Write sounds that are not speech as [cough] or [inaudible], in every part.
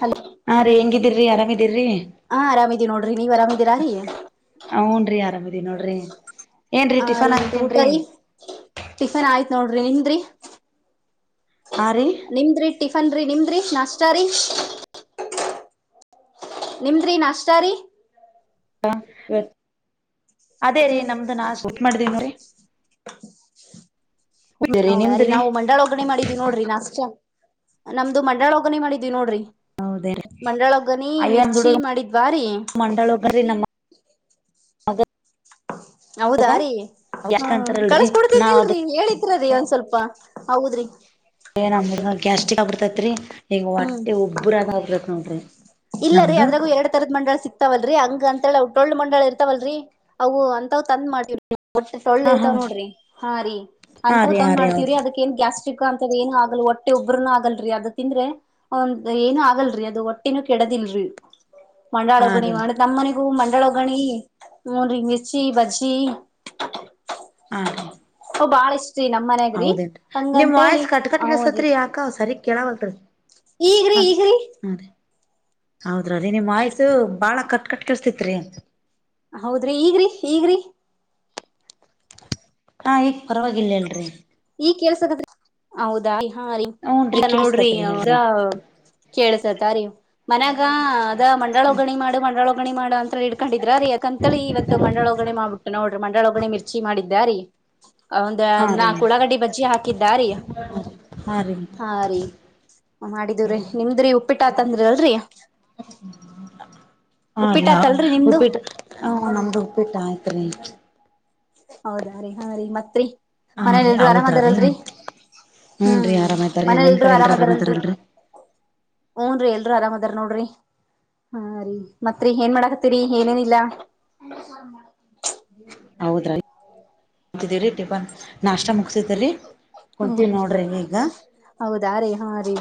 Hello ಹಾ ರೀ ಹೆಂಗಿದಿರ್ರಿ ಆರಾಮಿದಿರ್ರಿ ಹ ಆರಾಮಿದೀ ನೋಡ್ರಿ ನೀವ್ ಆರಾಮಿದಿರಾ ರೀ ಹುನ್ರಿ ಆರಾಮದೀ ನೋಡ್ರಿ ಏನ್ರೀ ಹ ಟಿಫನ್ ರಿ ಊಟ ಆಯ್ತೇನ್ರೀ ರೀ ಟಿಫಿನ್ ಆಯ್ತ್ ನೋಡ್ರಿ ನಿಮದ್ರಿ ಆ ರೀ ನಿಮ್ದ್ರಿ ಟಿಫನ್ ರೀ ನಿಮ್ದ್ರಿ ನಾಷ್ಟ ರೀ ನಿಮ್ದ್ರೀ ನಾಷ್ಟಾರಿ ಅದೇ ರೀ ಹ್ಮ್ ನಮ್ದ ನಾಸ್ಟಾ [unintelligible] ಹೌ ರೀ ನಾವು ಮಂಡಳ ಒಗ್ಗರಣಿ ಮಾಡಿದೀವಿ ನೋಡ್ರಿ ನಾಷ್ಟ ನಮ್ದು ಮಂಡಾಳ ಒಗ್ಗರಣಿ ಮಾಡಿದ್ವಿ ನೋಡ್ರಿ ಹೌದೇ ರೀ ಮಂಡಳೊಗ್ಗರನಿ ಅಯ್ಯನ್ ಮಿರ್ಚಿ ಹುಡುಗ ಮಾಡಿದ್ವಾರಿ ಮಂಡಾಳ ಒಬ್ಬ್ರಿ ನಮ್ಮ ಮಗ ಹೌದಾ ರೀ ಹಾ ಯಾಕಂತಾರಲ್ರರಿ ನಾವ್ ಅದ ಕಳ್ಸ್ಕೊಡ್ತೇನ್ಲ್ರಿ ಹೇಳಿತ್ ರೀ ಒಂದ್ ಸ್ವಲ್ಪ ಹೌದ್ರಿ ಏ ನಮ್ಮ [unintelligible] ಗ್ಯಾಸ್ಟ್ರಿಕ್ ಆಗ್ಬಿಡ್ತೈತ್ರಿ ಈಗ ಹೊಟ್ಟೆ ಉಬ್ಬ್ರ ಹಾಬತ್ ನೋಡ್ರಿ ಇಲ್ಲ ರೀ ನಮ್ದು ಅದ್ರಲ್ಲಿ ಎರಡ್ ತರದ ಮಂಡಳ ಸಿಕ್ತಾವಲ್ರರಿ ಹಂಗ ಅಂತ ಹೇಳಿ ಅವು ಟೊಳ್ಳು ಮಂಡಳ ಇರ್ತವಲ್ರರಿ ಅವು ಅಂತವ ತಂದ್ ಮಾಡಿವ್ರಿ ಒಟ್ಟ ತೊಳ್ಳು ಹಾ ಹಾ ಇರ್ತಾವ ನೋಡ್ರಿ ಹಾ ರೀ ಹಾ ಅಂತವ್ ರೀ ಹಾ ತಂದ್ ರೀ ಮಾಡ್ತೀವ್ರೀ ಹೌದ್ರಿ ಅದಕ್ಕ ಏನ್ ಗ್ಯಾಸ್ ಸ್ಟೀಕ್ಕ ಅಂತದ ಏನುೂಆಗಲ್ ಒಟ್ಟೆ ಉಬ್ಬ್ರನು ಆಗಲ್ರಿ ಅದು ತಿಂದ್ರೆ ಒಂದ್ ಏನು ಆಗಲ್ರರಿ ಅದುವಟ್ [unintelligible] ಕೆಡದಿಲ್ರಿ ಮಂಡಾಳ ಹಾ ಒಗ್ಗರಣಿ ರೀ ನಮ್ಮನಿಗೂ ಮಂಡಾಳ ಗಣಿ ನೋಡ್ರಿ ಮಿರ್ಚಿ ಬಜ್ಜಿ ಹಾ ರೀ ಬಾಳ ಇಷ್ಟ್ರೀ ನಮ್ ಮನ್ಯಾಗ್ರಿ ಹೌದೇನ್ರಿ ನಿಮ್ ಹಂಗಂತ ಹೇಳಿ ವಾಯ್ಸ್ ಕಟ್ ಕಟ್ ಅವನ್ರಿ ಕೇಳಸತ್ರಿ ಯಾಕ ಸರಿ ಕೇಳವಲ್ರಿ ಈಗ್ರಿ ಹ ಈಗ್ರಿ ಹಾ ರೀ ಹೌದ್ರ ರೀ ನಿಮ್ಮ್ ವಾಯ್ಸ್ ಬಾಳ ಕಟ್ ಕಟ್ ಕೆಳಸ್ತಿತ್ರಿ ಹೌದ್ರಿ ಈಗ್ರಿ ಈಗ್ರಿ ಹಾ ಈಗ ಪರವಾಗಿಲ್ಲ ಹೇಳ್ರಿ ಈಗ ಕೆಲ್ಸತದ್ರಿ ಹೌದಾ ಹಾ ರೀ ಹೂನ್ರಿ ಈಗ ನೋಡ್ರಿ ಕೇಳಸ್ತತ್ರಿ ದ ಹೇಳ್ರಿ ಕೇಳಳ್ಸತ ರೀ ಮನ್ಯಾಗ ಅದ ಮಂಡಾಳ ಒಗ್ಗರಣಿ ಮಾಡು ಮಂಡಾಳ ಒಗ್ಗರಣಿ ಮಾಡು ಅಂತ ಇಡ್ಕೊಂಡಿದ್ರ ರೀ ಅದಕಂತಳಿ ಇವತ್ತು ಮಂಡಾಳ ಒಗ್ಗರಣಿ ಮಾಡ್ಬಿಟ್ಟು ನೋಡ್ರಿ ಮಂಡಾಳ ಒಗ್ಗರಣಿ ಮಿರ್ಚಿ ಮಾಡಿದ್ದಾರಿ ಹೌದ ಹಾ ರೀ ನಾಕ್ ಉಳಾಗಡ್ಡಿ ಬಜ್ಜಿ ಹಾಕಿದ್ದಾರೀ ಹಾರಿ ಮಾಡಿದವ್ರಿ ನಿಮ್ದ್ರಿ ಉಪ್ಪಿಟ್ಟಾತಂದ್ರಿ ಅಲ್ರೀ ಹಾ ರೀ ಉಪ್ಪಿಟ್ಟ ಹ ನಮ್ದು ಉಪ್ಪಿಟ್ಟ ಆಯ್ತ್ ರಿ ಹೌದಾ ರೀ ಹಾ ರೀ ಮತ್ರಿ ಹಾ ರೀ ಮನೇಲೆಲ್ರೂ ಆರಾಮ್ ಹೌದ್ರ ರೀ ಅದಾರಲ್ರಿ ಹೂನ್ ರೀ ಹ್ಮ್ ಆರಾಮ ಆಯ್ತಾರೀ ನಿಮ್ ಮನೇಲೆಲ್ರು ಕಡೆ ಎಲ್ರ ಆರಾಮ ಆರಾಮದಾರಲ್ರಿ ಐತಾರಲ್ರರಿ ಊನ್ ರೀ ಎಲ್ರು ಆರಾಮ್ ಅದಾರ ನೋಡ್ರಿ ಹಾ ರಿ ಮತ್ರಿ ಏನ್ ಮಾಡಕತಿರಿ ಏನು ಇಲ್ಲ ಹೌದ [unintelligible] ಟಿಫನ್ ನಾಷ್ಟ ಮುಗಸಿದೀರಿ ಹ್ಮ ಹೌದ ರೀ ಹಾ ರೀ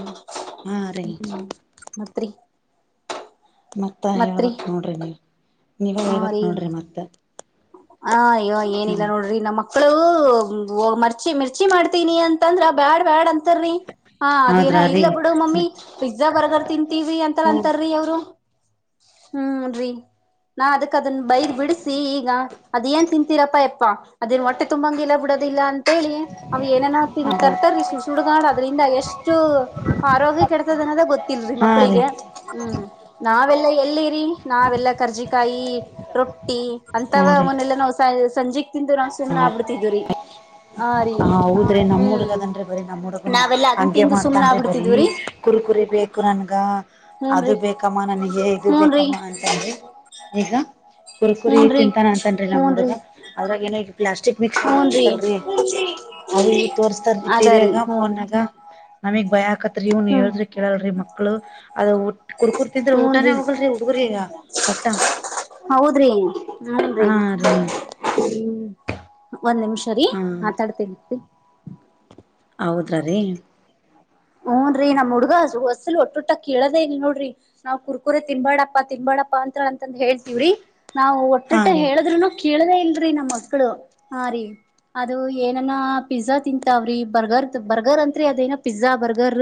ಹಾ ರೀ ಹ್ಮ್ ಮತ್ರೀ ಮತ್ತ ಹೇಳ್ಬಕ್ ನೋಡ್ರಿ ನೀವ ನೀವೇ ಹಾ ಹೇಳ್ಬಕ್ ರೀ ನೋಡ್ರಿ ಮತ್ತ ಹ ಅಯ್ಯ ಏನಿಲ್ಲ ಹ್ಮ್ ನೋಡ್ರಿ ನಮ್ಮ ಮಕ್ಕಳು ಮರ್ಚಿ ಮಿರ್ಚಿ ಮಾಡ್ತೀನಿ ಅಂತಂದ್ರ ಬ್ಯಾಡ್ ಬ್ಯಾಡ್ ಅಂತರಿ ಹಾ ಅದೇನ ಹೌದ್ರಾ ರೀ ಇಲ್ಲ ಬಿಡು ಮಮ್ಮಿ ಪಿಜ್ಜಾ ಬರ್ಗರ್ ತಿಂತೀವಿ ಅಂತ ಹ್ಮ ಅಂತಾರ್ರೀ ಅವ್ರು ಹ್ಮ್ ರಿ ನಾ ಅದಕ್ಕ ಅದನ್ನ ಬೈದ್ ಬಿಡಿಸಿ ಈಗ ಅದೇನ್ ತಿಂತೀರಪ್ಪಾ ಎಪ್ಪಾ ಅದನ್ ಹೊಟ್ಟೆ ತುಂಬಂಗಿಲ್ಲ ಬಿಡೋದಿಲ್ಲ ಅಂತೇಳಿ ಅವ್ ಏನೇನ ತಿ ತರ್ತಾರೀ ಸುಡ್ ಸುಡ್ಗಾ ಅದ್ರಿಂದ ಎಷ್ಟ್ ಎಷ್ಟು ಆರೋಗ್ಯ ಕೆಡತದ ಅನ್ನೋದೇ ಗೊತ್ತಿಲ್ರಿ ಹಾ ಮಕ್ಕಳಿಗೆ ರೀ ಹ್ಮ್ ನಾವೆಲ್ಲ ಎಲ್ಲಿರಿ ನಾವೆಲ್ಲಾ ಕರ್ಜಿಕಾಯಿ ರೊಟ್ಟಿ ಹಾ ಅಂತವ ರೀ ಅವನ್ನೆಲ್ಲಾ ನಾವ್ ಸಂಜಿ ತಿಂದಿ ನಾವ್ ಸುಮ್ನೆ ಆಗ್ಬಿಡ್ತಿದ್ ರಿ. ಹ ಹೌದ್ರಿ ನಮ್ ಹುಡ್ಗದನ್ರಿ ಬರಿ ನಮ್ಮ್ ಹುಡ್ಗನ ನಾವೆಲ್ಲಾ ಅದನ್ ಹಂಗೆ ತಿಂದು ಸುಮ್ನ ಮಾಡ್ತನ್ ಬರೀ. ಆಗ್ಬಿಡ್ತಿದ್ವ್ರೀ ಕುರ್ಕುರಿ ಬೇಕು ನನ್ಗ. ಅದು ಹೂನ್ರಿ ಬೇಕಮ್ಮ ನನ್ಗೆ ಇದು ಹೂನ್ರಿ ಬೇಕಮ್ಮ ಅಂತನ್ ರಿ ಈಗ. ಎ ಕುುರ್ಕುರಿ ಹೂನ್ರಿ ತಿಂತಾನ್ ಅಂತನ್ರಿ ನಮ್ಮ್ ಹುಡುಗ ಹೂನ್ರಿ ಅದ್ರಾಗ ಏನ ಪ್ಲಾಸ್ಟಿಕ್ ಮಿಕ್ಸ್ ಹೂನ್ರಿ ಆಗೇತ್ತಂತಲ್ರಿ ಅವು ಇವ ತೋರ್ಸ್ತಾರಿ ಅದಾರಿ ಟಿವಿಯಾಗ ಹೂನ್ರಿ ಫೋನ್ನಾಗ. ನಮಿಗ್ ಭಯಗ್ಕತ್ರಿ ಇವ್ನು ಹ್ಮ್ ಹೇಳಿದ್ರೆ ಕೇಳಲ್ರಿ ಮಕ್ಳು ಅದುಟ್- ಕುರ್ಕುರ್ ಊಟಾನೇ ಹೂನ್ರಿ ಹೊಗಲ್ರಿ ಹುಡ್ಗುರಿಗ ಒಟ್ಟ ಹ್ಮ ರೀ ಹ್ಮು ಒಂದ್ ನಿಮಿಷ ರೀ ಹಾ ಮಾತಾಡ್ತಿತಿ. ಹೌದ ರೀ. ಹುನ್ ರೀ ನಮ್ ಹುಡ್ಗ ಹೊಸಲು ಒಟ್ಟುಟ ಕೇಳದೇ ಇಲ್ಲ ನೋಡ್ರಿ ನಾವ್ ಕುರ್ಕುರೆ ತಿನ್ಬಾಡಪ್ಪಾ ತಿನ್ಬಾಡ - ಅಂತ ಹೇಳ್ತಿವ್ರಿ ನಾವು ಹಾ ಒಟ್ಟಟ್ಟ ರೀ ಹೇಳದ್ರುನು ಕೇಳದೇ ಇಲ್ರಿ. [unintelligible] ನಿಮ್ಮ್ ಮಕ್ಕಳು ಹಾ ರೀ ಅದು ಏನನ ಪಿಜ್ಜಾ ತಿಂತಾವ್ರಿ ಬರ್ಗರ್ ಬರ್ಗರ್ ಅಂತ್ರರಿ ಅದೇನ ಪಿಜ್ಜಾ ಬರ್ಗ ಗರ್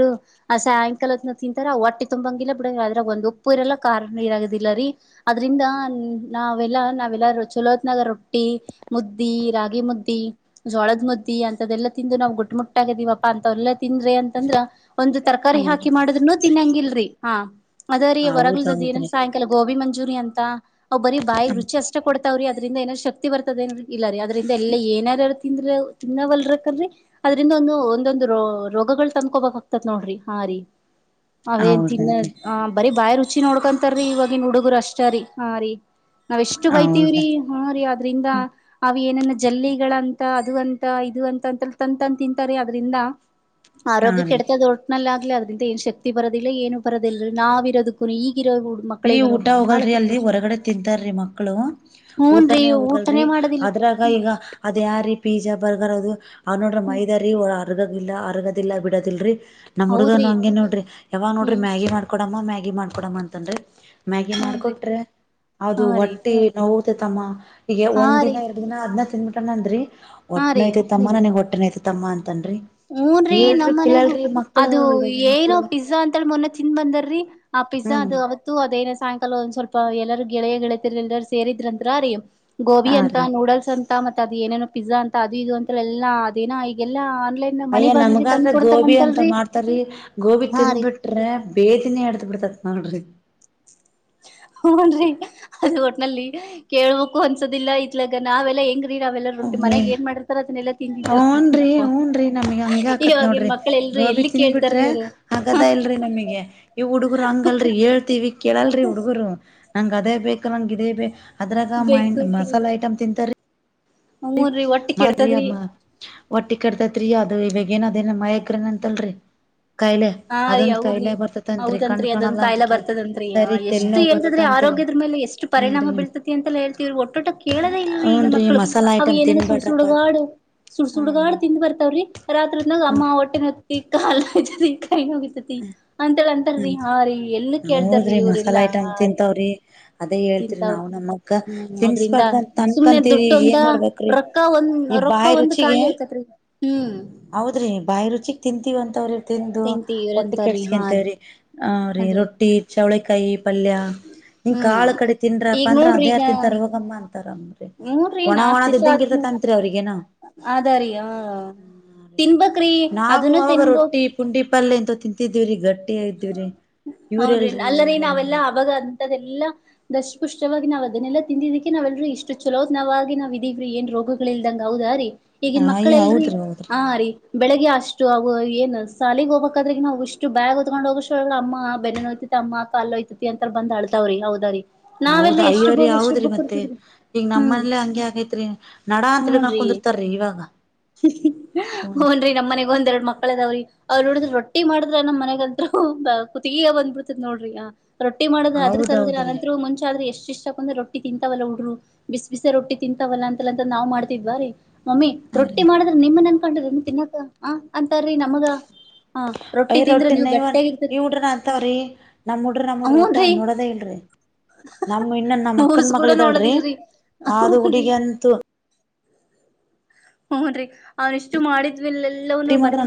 ಆ ಸಾಯಂಕಾಲತ್ನ ತಿಂತಾರ ಹೊಟ್ಟೆ ತುಂಬಂಗಿಲ್ಲ ಬಿಡಂಗ ಅದ್ರಾಗ್ ಒಂದ್ ಉಪ್ಪು ಇರಲ್ಲ ಕಾರನು ಇರದಿಲ್ಲ. ಅದ್ರಿಂದ ನಾವೆಲ್ಲಾ ನಾವೆಲ್ಲ ಚಲೋ ಹತ್ನಗ ರೊಟ್ಟಿ ಮುದ್ದಿ. ಮುದ್ದಿ ಜೋಳದ್ ಮುದ್ದಿ ಅಂತದೆಲ್ಲ ತಿಂದು ನಾವು ಗುಟ್ಟ ಮುಟ್ಟಾಗಿದಿವವಪ್ಪಾ ಅಂತವೆಲ್ಲಾ ತಿಂದ್ರಿ ಅಂತಂದ್ರ ಒಂದು ಹಾ ತರಕಾರಿ ರೀ ಹಾಕಿ ಮಾಡುದ್ರುನು ತಿನ್ನಂಗಿಲ್ರಿ ಹಾ. ಅದೇ ರೀ ಹೊರಗ್ಲುದು ದಿನ ಹೌದೌದ್ರಿ ಸಾಯಂಕಾಲ ಗೋಬಿ ಮಂಜ ಮಂಜೂರಿ ಅಂತ ಅವ್ ಬರಿ ಬಾಯ್ ರುಚಿ ಅಷ್ಟೇ ಕೊಡ್ತಾವ್ರಿ ಅಂದ್ರಿದ ಏನಾರ ಶಕ್ತಿ ಬರ್ತದ ಏ ಇಲ್ಲ ರೀ. [unintelligible] ಎಲ್ಲ [unintelligible] ತಿಂದ್ರ ತಿನ್ನವಲ್ರಕಲ್ರಿ ಅದ್ರಿಂದ ಒಂದು ಒಂದೊಂದು ರ ರೋಗಗಳು ತಂದ್ಕೋಬೇಕ ತ್ ನೋಡ್ರಿ ಹಾ ರೀ ಅವೇನ್ ಹೌದ ತಿನ್ನ ರೀ ಬರೀ ಬಾಯ್ ರುಚಿ ನೋಡ್ಕ ಇತಾರೀ ಇವಾಗಿನ್ ಹುಡುಗ್ರು ಅಷ್ಟೇ ರೀ ಆ ರೀ ನಾವ್ ಎಷ್ಟು ಹೌದ ಬೈತೀವ್ರಿ ಹ ರಿ ಅದ್ರಿಂದ ಅವ ಏನ ಜಲ್ಲಿಗಳಂತ ಅದು ಅಂತ ಇದು ಅಂತ ಅಂತ ತಂದ್ ತಂದ್ ತಿಂತಾರೆ ಅದ್ರಿಂದ. ಹಾ ಆರೋಗ್ಯ ರೀ ಕೆಡ್ತದ ಒಟ್ನಲ್ಲಿ ಆಗ್ಲಿ ಅದ್ರಿಂದ ಏನ್ ಶಕ್ತಿ ಬರದಿಲ್ಲ ಏನು ಬರೋದಿಲ್ಲ ನಾವ್ ಇರೋದಕ್ಕೂನು ಈಗ್ - ರಿ ಊಟ ಹೋಗಲ್ರರಿ ಅಲ್ಲಿ ಹೊರಗಡೆ ತಿಂತಾರಿ ಮಕ್ಕಳು ಹೂನ್ ರೀ ಊಟಾನೇ ಹೋಗಲ್ರಿ. ಊಟನೇ ಮಾಡೋದಿಲ್ಲ ಅದ್ರಾಗ ಈಗ ಅರ್ ಯಾರಿ ಪೀಜ. ಬರ್ಗಾರದು ಅವ್ ನೋಡ್ರ ಮೈದ ರೀ ಅರ್ಗಗಿಲ್ಲಾ ಅರ್ಗದಿಲ್ಲ ಬಿಡದಿಲ್ರಿ. ನಮ್ ಹುಡ್ಗನು ಹೌದ್ರಿ ಹಂಗೆ ನೋಡ್ರಿ ಯಾವಗ್ ನೋಡ್ರಿ ಹ್ಮ್ ಮ್ಯಾಗಿ ಮಾಡ್ಕೊಡಮ್ಮ ಮ್ಯಾಗಿ ಮಾಡ್ಕೊಡಮ್ಮ ಅಂತನ್ರಿ. ಮ್ಯಾಗಿ ಹೂನ್ರಿ ಮಾಡಕೊಟ್ರೆ ಅದು ಹಾ ರೀ ಹೊಟ್ಟಿ ನೋವ್ತಮ್ಮ. ಈಗ ಹಾ ಒಂದ್ ದಿನ ರೀ ಎರಡು ದಿನ ಅದ್ ತಿಂದ್ಬಿಟ್ಟ ಅಂದ್ರಿ ಹಾ ಹೊಟ್ ನೋಯ್ತಮ್ಮ ನನಗ್ ಹೊಟ್ಟೆ ನೊಯ್ತಮ್ಮ ಅಂ ಹಊನ್ ರ್ರಿ ನಮ್ ಮನೆಗೂ ಮಕ್ಕಳು ಅದು ಇವಾಗಿನ್ ಏನೋ ಮಕ್ಕಳು ಪಿಜ್ಜಾ ಅಂತೆಳಿ ಮೊನ್ನೆ ತಿನ್ ಬಂದರಿ. ಪಿಜ್ಜಾ ಹ್ಮ್ ಅದು ರೀ ಅವತ್ತು ಅದೇ ಸಾಯಂಕಾಲ ಒಂದ್ ಸ್ವಲ್ಪ ಎಲ್ಲರೂ ಗೆಳೆಯ ಳೆತಿರ್ ಎಲ್ಲರೂ ಸೇರಿದ್ರಂತ್ರ ರೀ ಗೋಬಿ ಹಾ ಅಂತ ರೀ ನೂಡಲ್ಸ್ ಅಂ ಮತ್ತ ಅದು ಏನೇನೋ ಪಿಜ್ಜಾ ಅಂತ ಅದು ಇದು ಅಂತ ಎಲ್ಲ ಅದೇನ ಈಗೆಲ್ಲಾ ಆನ್ಲೈನ್ ಮನೆ ಅಯ್ಯ ಬಾಗ್ಲಿಗೆ ತಂದ್ ನಮಗಾದ್ರೆ ಕೊಡ್ತಾರ ಗೋಬಿ ಅಂತ ಅಂತಲ್ರರಿ ಮಾಡ್ತಾ ರ್ರಿ ಗೋಬಿ ಹಾ ರೀ ತಿನ್ಬಿಟ್ರೆ. ಬೇದಿನೆ ಇಡ್ದ್ ಬಿಡ್ತದ್ ನೋಡ್ರಿ ಹುನ್ ನ್ರಿ ಅದು ಒಟ್ನಲ್ಲಿ ಕೇಳ್ಬೇಕು ಅನ್ಸೋದಿಲ್ಲ ಇತ್ಲಗ ನಾವೆಲ್ಲಾ ಹೆಂಗ್ ಅವೆಲ್ಲಾ ರೊಟ್ಟಿ ಮಾನೆಗ್ ಏನ್ ಮಾಡಿರ್ತರೊ ಅದನ್ನೆಲ್ಲ. ಹುನ್ರಿ ಹುನ್ರೀ ನಮ್ಗ ಹಂಗೆ ಆಕತ್ ಇವಾಗಿನ್ ನೋಡ್ರಿ ಮಕ್ಳ ಎಲ್ರು ಗೋಬಿ ಎಲ್ಲಿ ತಿಂದ್ ಕೇಳ್ತಾರೀ ಬಿಟ್ರೆ ಇವ್ರು ಹಾಗದೆ ಇಲ್ಲ ಲ್ರಿ ನಮಿಗೆ ಈ ಹುಡುಗ್ರು ಹಂಗಲ್ರಿ ಹೇಳ್ತೀವಿ. ಕೇಳಲ್ರಿ ಹುಡುಗ್ರು ನಂಗ್ ಅದೇ ಬೇಕ ನಂಗ್ ಇದೇ ಬ ಅದ್ರಾಗ ಮ ಬೇಕು ಮಸಾಲೆ ಐಟಮ್ ತಿಂತಾರೀ. ರಿ ಹೂನ್ರಿ ಒಟ್ಟ ಕೆಡ್ತದ್ರಿ [unintelligible] ಒಟ್ಟಿ ಕಟ್ತೈತ್ರಿ ಅದು ಇವಾಗ ಏನ ಅದೇನ ಮಯಗ್ರನ ಅಂತಲ್ರರಿ ಹಾ ರೀ ಹೌದ್ರಿ ಕಣ್ ಹೌದನ್ರಿ ಅದೊಂದ್ ಕಾಣಲ್ಲ ಕಾಯಿಲೆ ಅಂತಕಿ ಬರ್ತದನ್ರಿ ಸರಿ ಎಷ್ಟು ತೆಲಿನೋವ್ ಹೇಳ್ತದ್ರಿ ಆರೋಗ ಬರ್ತತಂತ್ರಿ ಹೋಗದ್ರ ಮೇಲೆ ಎಷ್ಟು ಹೂನ್ರಿ ಪರಿಣಾಮ ಬೀಳ್ತತಿ ಅಂತ ಹೇಳ್ತೀವ ಒಟ್ಟೊಟ್ಟ ಕೇಳದೇ ಇಲ್ರರಿ ಈಗ ಹೂನ್ರಿ ಮಕ್ಕಳು ಮಸಾಲಾ ಅವ ಐಟಮ್ ಏನ್ರ ಸುಡ್ ತಿನ್ಬೇಡ್ರಪ್ಪಾ ಸುಡುಗಾಡು ಸುಡ್ ಸುಡುಗಾಡು ಹೂನ್ರಿ ತಿಿಂದ್ ಬರ್ತಾವ್ರೀ ರಾರಿದ್ನಾಗ ಹೂ ಅಮ್ಮ ಹೊಟ್ಟೆನ ಹೊತ್ತಿ ಕಾಲರಿ ಅಂತೇಳಿ ಅಂತಾರ್ರಿ ಹ್ಮ್ ಹಾ ರೀ ಎಲ್ಲ ಕೇಳ್ತಾರ್ರಿ ಹೌದ್ರಿ ಮಸಾಲಾ ಇವ್ರಲ್ಲಾ ಐಟಮ್ ಹಾ ರೀ ತಿಂತಾವ್ರಿ ಅದೇ ತಿಂತ ಹೇಳ್ತಿರಿ ನಾವು ನಮ್ಮಕ್ಕ ಹ್ಮ್ ಅದ್ರಿಂದ ತಿನ್ಸ್ಬಾರ್ದಂತ ಸುಮ್ನೆ ಅನ್ಕಂತೀವ್ರಿ ದುಡ್ಡೊಂದ ಏನ್ ಮಾಡ್ಬೇಕ್ರಿ ರೊಕ್ಕ ಒಂದ ಈ ರೊಕ್ಕ ಬಾಯಿ ಒಂದು ರುಚಿಗೆ ಖಾಲಿ ಆತತ್ ಹೌದ್ರಿ ಬಾಯಿ ರುಚಿಕ್ ತಿಂತೀವ ಅಂತವ್ರಿ ತಿಂದು ಒಟ್ಟಿ ತಿಂತೀವ್ರಂತಾರೀ ಹಾ ರೀ ಕೆಡ್ಸ್ಕಂತವ್ರಿ ಹ ರೀ ಅದೇ ರೊಟ್ಟಿ ಚೌಳಕಾಯಿ ಪಲ್ಯ ನಿಂ ಹ್ಮ್ ಕಾಳು ಕಡೆ ತಿನ್ಪ್ಪ ಈಗ ಅಂದ್ರ ನೋಡ್ರಿ ಅದೇ ಈಗ ಯಾರು ತಿಂತಾರ ಹೋಗಮ್ಮ ಅಂತ [unintelligible] ರ ಒಣ ಒಣದ ಇದ್ದಂಗ ಇರತತ್ರಿ ಅವ್ರಿಗಏನ ಅದಾರೀ ಹ ತಿನ್ಬಕ್ ಅದನು ತಿನ್ಬು ಪಲ್ಲ ಎಂತ ತಿಂತಿದ್ದೀವ್ರೀ ಗಟ್ ಹೌನ್ನ್ ಅಲ್ಲ ಈಗ ರೀನ್ ಹಿಂಗ್ ಅವೆಲ್ಲಾ ಮಾಡ್ತಾರ ಆಾಗ ಅಂತ್ದಲ್ಲಾ ದಷ್ಟಪುಷ್ಟವಾಗಿ ನಾವ ಅದನ್ನೆಲ್ಲ ತಿಂದಿದ್ದಕ್ಕೆ ನಾವೆಲ್ರರಿ ಇಷ್ಟು ಚಛಲೋ ನವಾಗಿ ನಾವವು ಇದೀವಿರೀ ಏನು ರೋಗಗಳಲ್ದಂಗಗೆಾವದಾ ರೀ ಈಗನ್ ಮಕ್ಕಳ ಅಯ್ಯ ಎಲ್ರರಿ ಹೌದ್ರಿ ಹೌದ್ರಿ ಹ ರೀ ಬೆಳಿಗ್ಗೆ ಅಷ್ಟು ಅವು ಏನ್ ಸಾಲಿಗೆ ಹೋಗಬೇಕಾದ್ರೆವು ಇಷ್ಟು ಬ್ಯಾಗ್ ಕತ್ಕೊಂಡ್ ಹೋಗ್ ಅಮ್ಮ ಬೆನ್ನೆನ ಯತತಿ ಅಮ್ಮ ಕಲ್ಲ ಯತಿ ಅಂತ ಬಂದ ಅಳ್ತಾವ್ರಿ ಹೌದ ರೀ ಹೌದ್ ನಾವೆಲ್ಲ ಎಷ್ಟು ಅಯ್ಯೋರಿ ಬೋಗು ಅಷ್ಟು ಹೌದ್ರಿ ಬುಕ್ ಮತ್ತೆ ಇರ್ತದ್ರಿ ಈಗ ಹ್ಮ್ ನಮ್ಮನಲ್ಲ ಹಂಗೆ ಆಗೈತ್ರಿ ನಡಾ ಅಂತ ಹಕೊಂಡಕ ತ ರೇವಾಗ ಹನ್ರಿ ನಮ್ಮ ಮನೆಗೆ ಒಂದ್ರಡು ಕಳೆದಾವ್ರಿ ಅವ್ ನೋಡಿದ್ರರು ರೊಟ್ಟಿ ಮಾಡಿದ್ರೆ ನಮ್ಮ್ ಮನೆಗಂತರು ಬ ಕತ್ ಬಂದ್ಬಿಡ್ತದ ನೋಡ್ರಿ ರೊಟ್ಟಿ ಮಾಡಿದ್ರೆ ಆದ್ರ ಸಲಿಲ್ಲ ಹೌದೌದ್ರಿ ಅದಂತರು ಮುಂಚೆ ಆದೆ ಎಷ್ಟು ಇಷ್ಟಂದ್ರೆ ರಟ್ಟಿ ತಿಂತವಲ್ಲ ಉುಡ್ರು ಬಿಸ್ ಬಿಸ ರೊಟ್ಟಿ ತಿಂತವಲ್ಲ ಅಂತ ಅಂತ ನಾ್ ಮಾಡ್ತಿದ್ ಬೀ ಮಮ್ಮಿ ಹಾರಿ ರೊಟ್ಟಿ ಮಾಡಿದ್ರೆ ನಿಮ್ಮ ನನ್ಕೊಂಡ್ರನ್ ತಿನ್ನಾಕ ಆ ಅಂತ ನಮಗ ಹಾ ರೊಟ್ಟಿ ಐ ತಿಂದ್ರೆ ನೈವ ನೀವುಗಟ್ಟಿ ಈ ಉಡ್ರ ಅಂತವ್ರೀ ನಮ್ಮ್ಡ್ ನಮ್ ಉಡ್ರಿ ಒಟ್ಟಟ ಹೂನ್ರಿ ನೋಡದೇ ಇಲ್ರಿ ನಮ್ಮ ಇನ್ನನ್ ನಮ್ಮ ಅಕ್ಕನ್ ಮೂಸ್ ಕೂಡ ಮಗಳ ಇದ್ದಾಳ್ರಿ ನೋಡೋದಿಲ್ರಿ ಅದು ಹೂನ್ರಿ ಹುಡುಗ ಅಂತೂ ಹ್ನ್ರಿ ಅವ್ನ ಇಷ್ಟು ಮಾಡಿದ ರಟ್ಟಿ ಮಾಡ್ರ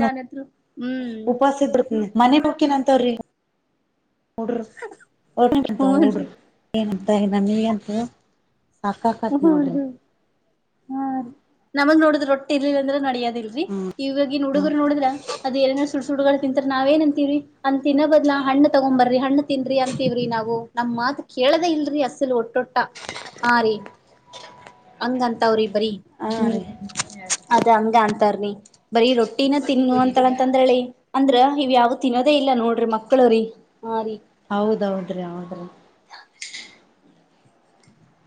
ಹ್ಮ್ ಉಪಾಸ ಇಬಿಡ್ ಮನೆ ಬಕಿನಂತ ಹೂನ್ರಿ ಡ್ರಡ್ರಿ ಏನ್ ನಮೀಗಂತ ಸಾಕಾಕತ್ ನೋಡ್ರಿ ಹೂನ್ರಿ ಹಾ ರೀ ನಮಗ್ ನೋಡುದ್ ರೊಟ್ಟಿ ಇರ್ಲಿಲ್ಲ ಅಂದ್ರೆ ನಡಿಯದ ಇಲ್ರಿ ಇವವಾಗಿ ನುಡುಗರು ನೋಡುದ್ರ ಅದು ಎ ಸು ಹುಡ್ಗಳು ತಿಂತರ ನಾವ ಏನ್ ಅಂತೀವಿ ಅಂತ ತಿನ್ನೋ ಬದಲಾ ಹಣ್ಣ ತಗೊ್ ಬರ್ರಿ ಹ್ಣ ತಿನ್ರಿ ಅಂತೀವ್ರಿ ನಾವು ನಮ್ ಮಾತ ಕೇಳದೇ ಇಲ್ರಿ ಅಸಲ್ ಒಟ್ಟೊಟ್ಟ ಆ ರೀ ಹಂಗ ಅಂತಾವ್ರಿ ಬರೀ ಹಾ ಹ್ಮ್ ರೀ ಅದ ಹಂಗ ಅಂತವನಿ ಬರೀ ರೊಟ್ಟಿನ ತಿನ್ ಅಂತ ಅಂತಂದ್ರ ಹೇಳಿ ಅಂದ್ರ ಇವ ಯಾವ ತಿನ್ನೋದೇ ಇಲ್ಲ ನೋಡ್ರಿ ಮಕ್ಳವ್ರೀ ಹೌದೌದ್ರಿ ಹೌದ್ರಿ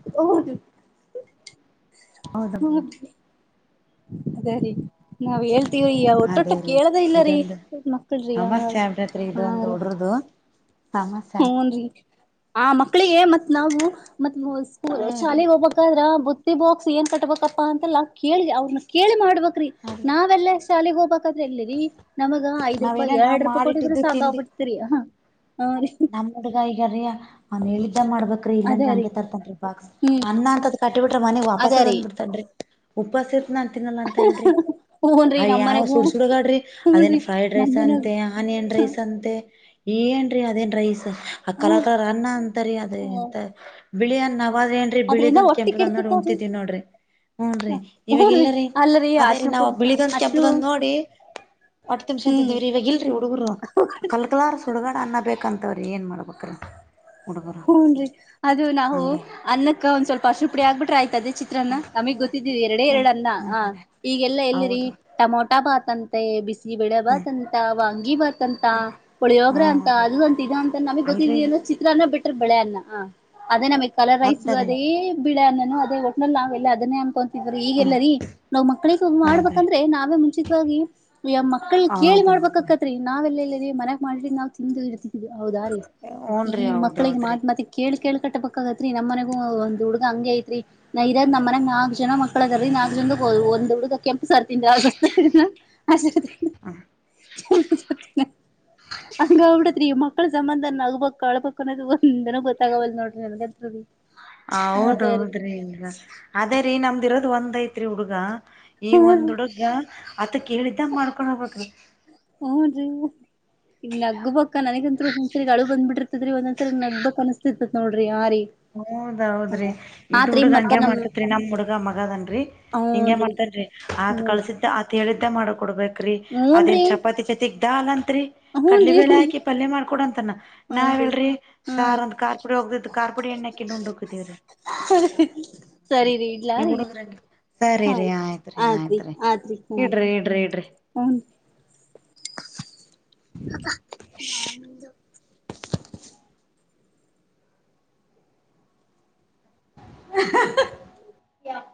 ಇದವರ್ದಿಲ್ ಹೌದಬ್ರಿ ಹುಲ್ದ್ ಅದ ರೀ ನಾವ್ ಹೇಲ್ತೀವೀ ಅವ್ ಒಟ್ಟೊಟ್ಟ ಕೇಳದ ಇಲ್ಲರೀ ಸಮಸ್ಯಾ ಆಬ್ಟಿತ್ರಿ ಇದೊಂದು ಉಡ್ರುದು ಸಮಸ್ಯಾ ಹೂನ್ ರೀ ಆ ಮಕ್ಳಿಗೆ ಮತ್ತ್ ನಾವು ಮತ್ ಹಾ ಮುಸ್ಕೂಲ್ ರೀ ಶಾಲಿಗಿ ಹೋಗ್ಬೇಕಾದ್ರ ಬುತ್ತಿ ಬಾಕ್ಸ್ ಏನ್ ಕಟ್ಬಬೇಕಪ್ಪಾ ಅಂತೆಲ್ಲಾ ಕೇಳಿ ಅವ್ರನ್ನ ಕೇಳಿ ಮಾಡಬಕ್ರಿ ಹಾರಿ ನಾವೆಲ್ಲ ಶಾಲಿಗಿ ಹೋಬಕ ಕಾದ್ರೆ ಎಲ್ಲಿರಿ ನಮಗ ಐದ ನಾವೇನ ರೂಪಾಯಿ ನಾವ್ ಎರಡ್ ರೂಪಾಯಿ ಕೊಟ್ಟಿದ್ರು ಮಾಡಿಟ್ಟಿದ್ದು ಸಾಕಾಬಿಡ್ತರಿ ಅಹ್ ಆ ಇಷ್ಟ್ ನಮ್ಮಡುಗ ಈಗಾರಿಯ ಅವನ್ ಹೇಳಿದ್ದ್ ಎನ್ಮಾಡ್ಬಕ್ರಿ ಅದ ಇಲ್ಲಾಂದ್ರ ರೀ ಹಂಗೆ ತರ್ತನ್ರಿ ಬಾಕ್ಸ್ ಹ್ಮ್ ಅನ್ನ ಅಂತದ್ ಕಟ್ಟಿ ಬಿಟ್ರ ಮನಿಗ್ ಅದ ವಾಪಸ್ ರೀ ತಂದ ಬಿಡ್ತನ್ರಿ ಉಪಾಸ ಇರ್ತ್ನ ಅನ್ ತಿನಲ್ಲ ಅಂತಾನ್ರಿ ಹೂನ್ರಿ ಆಯಾವ್ ನಮ್ಮನೆಗೂ ಸುಡ್ ಸುಡಗಾಡ್ರಿ ಅದೇನ್ ಹೂನ್ರಿ ಫ್ರೈಡ್ ರೈಸ್ ನಮ್ಮನ ಅಂತೆ ಆನಿಯನ್ ರೈಸ್ ಅಂತೆ ಏನ್ರೀ ಅದೇನ್ ರೈಸ್ ಆ ಹ ಕಲರ್ ಕಲರ್ ಅನ್ನ ಅಂತರಿ ಅದ ಹ ಎಂತ ಬಿಳಿ ಅನ್ನಾ ಹದ್ ಏನ್ರಿ ಬಿಳಿದ ಅದ್ರಿಂದ ಒಂದ ಹೊಟ್ಟಿ ಕೆಂಪುದೊಂದ ನೋಡಿ ಕೆಡ್ತೇತ್ ರೀ ಉಂತಿದ್ವಿ ನೋಡ್ರಿ ಹೂನ್ರಿ ಇವಾಗ ಹೂನ್ರಿ ಇಲ್ಲರೀ ಅಲ್ಲರಿ ಅದೇ ರೀ ಅರ್ಶಿನ ನಾವ್ ಕುಂ ಬಿಳಿದೊಂದ ಅರ್ಶಿನ ಕೆಂಪದೊಂದ ನೋಡಿ ಒಟ್ಟ ತಿಮ್ಸೆಂತಿದ್ದೆವ್ರಿ ಹ್ಮ್ ಇವಾಗ ಇಲ್ರಿ ಹುಡುಗುರು ಕಲ್ಕಲಾರ ಸುಡುಗಾಡ ಅನ್ನ ಬೇಕಂತ ಅವ್ರ ಏನ್ ಮಾಡ್ಬೇಕ್ರ ಹೂನ್ರಿ ಅದು ನಾವು ಅನ್ನಕ್ಕ ಒಂದ್ ಸ್ವಲ್ಪ ಅರಸಿನಪುಡಿ ಆಗ್ಬಿಟ್ಟ್ರ ಆಯ್ತ ಅದೇ ಚಿ ತ್ರನ್ನ ನಮಗ್ ಗೊತ್ತಿದ್ದೀವ ಎರಡೆ ಹ್ಮ ಎರಡನ್ನ ಹಾ ಹಂಗ್ರೀ ಈಗೆಲ್ಲಾ ಎಲ್ಲಿರಿ ಹೌದು ಟಮಾ ಟಾ ಬಾತ್ಂತೆ ಬಿಸ್ ಈ ಬೆಳೆ ಭಾತ್ ಅಂತ ವಾಂಗಿ ಭಾತ್ ಅಂತ ಹಾ ಪುಳಿಯೊಗ್ರೆ ಅಂತ ರೀ ಅದು ಅಂತ ಇದು ಅಂತ ನಮಿಗ್ ಅಲ್ರಿ ಗೊತ್ತಿದ್ದಿದ್ ಎನ್ ಚಿತ್ರಾನ್ನ ಬಿಟ್ಟ್ರ ಬಿಳೆ ಅನ್ನ ಹ ಅದೇ ನಮಗೆ ಕಲರ್ ರೈಸು ಅದ ರೀ ಅದೇ ಬಿಡೆ ನನ್ನು ಅದೇ ಒಟ್ಟನಲ್ಲಿ ನಾವೆಲ್ಲ ಅದನ್ನೆ ಅನ್ಕೊತ ಇದರಿ ಹ್ಮ್ ಈಗೆಲ್ಲರಿ ನಾವ್ ಮಕ್ಳಿಗೆ ಹೌದ್ರಿ ಮಾಡ್ಬೇಕಂದ್ರೆ ನಾವೇ ಮುಂಚಿತವಾಗಿ ಎ ಮಕ್ಕಳ ಕೇಳ್ ಹೌದೌದ್ರಿ ಮಾಡ್ಬೇಕಕ್ಕತ್ರಿ ನಾವೆಲ್ಲ್ಲ್ರಮನಾಗ ಮಾಡಿರಿ ನಾವ್ ತಿಂದು ಇಡಡ್ತಿವಿ ಬ ಹೌದಾ ರೀ ಹೂನ್ರಿ ಈ ಮಕ್ಕಳಿಗೆ ಹೌದೌದ್ರಿ ಮಾತ್ ಮಾತಿಗಿ ಕೇಳಿ ಕೇಳ್ ಕಟ್ಟ್ಬಕ್ಗತ್ರಿ ನಮ್ ಮನೆಗು ಒ-ಒಂದ ಹುಡುಗ ಹಂಗೆ ಐತ್ರಿ ನಾ ಇರದ್ ನಮ್ ಮನ್ಯಾಗ್ ನಾಕ್ ಜನ ಮಕ್ಳ ಅದರಿ ನಾಕ್ ಜನದ ಒ-ಒಂದ ಹುಡುಗ ಕೆಂಪು ಸಾರ್ ತಿಂದ [unintelligible] ಕೆಂಪ ಸಾತಿನ ಅಂಗ ಅಬ್ಟ್ತಿತ್ರೀ ಯಮ್ಮ ಮಕ್ಕಳ ಸಂಬಂಧ ನಗ್ಬಬೇಕ್ ಅಳ್ಬೇಕ್ ಅನ್ನೋದು ಒಂದ್ನ ಗೊತ್ತಾಗಾವಲ್ದ್ ನೋಡ್ರಿ ನನ್ಗತ್ರ್ನು ಹ ಹೌದೌದ್ರಿ ಲ್ರ ಅದೇ ರೀ ನಮ್ದ ಇರೋದ ಒಂದ್ ಐತ್ರಿ ಹುಡ್ಗಾ ಈ ಹೂನ್ರಿ ಒಂದ್ ಹುಡುಗ್ಗ ಆತ ಕೇಳಿದ್ದ ಮಾಡ್ಕೊಂಡ್ ಹೋಗ್ಬೇಕ್ರಿ ಹ್ನು ರೀ ಇಗ್ ನಗ್ಬೇಕ್ ನನಗಂತ್ರು ಒಂದಸರಿಗ್ ಅಳು ಬಂದ ಬಿಟ್ಟಿರ್ತದರಿ ಒಂದ ಒಂದ ಸರಿಗ ನಗ್ಬೇಕ ಅನಸ್ತಿರತತಿ ನೋಡ್ರಿ ಆ ರೀ ಹೌದೌದ್ರಿ ಇದು ಆತ್ರಿ ಹುಡುಗ ಮತ್ತ ಹಂಗೆ ಮಾಡ್ತೇತ್ರಿ ನಮ್ ಹುಡ್ಗ ಮಗ ಅದಾನ್ರಿ ಹಿಂಗೆ ಹೂನ್ರಿ ಮಾಡ್ತ ರಿ ಆತ್ ಹೂನ್ರಿ ಕಳಸಿದ್ದ ಆತ್ ಹೇಳಿದ್ದ ಮಾಡ ಕೊಡ್ಬೇಕ್ರೀ ಅದೇನ್ ಹೂನ್ರಿ ಚಪಾತಿ ಜತೆಗ್ ದಾಲ್ ಅಂತರಿ ಕಡಲಿ ಹೂನ್ರಿ ಬೇಳೆ ಹಾಕಿ ಪಲ್ಯ ಮಾಡ್ಕೊಡಂತ ತನ್ ನಾವ್ ಹೂನ್ರಿ ಹೇಳರಿ ಹಾ ಸಾರ್ ಒಂದ್ ಕಾರ್ ಪುಡಿ ಹೋಗ್ದಿದ್ದ ಕಾರ್ಪುಡಿ ಎಣ್ಣಕೆಂಡ್ ಉಂಡ್ ಹೋಗ್ತಿದೀವ್ರಿ [unintelligible] ಸರಿ ರೀ ಇಡ್ಲಾ ರೀ ಸರಿರಿ ಆಯ್ತ್ರಿ ಆಯ್ತ್ರಿ ಹೂನ್ರಿ ಇಡ್ರಿ ಇಡ್ರಿ ಇಡ್ರಿ [inaudible] ಹೂನ್ರಿ. [unintelligible] [unintelligible]